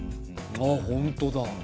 あっほんとだ。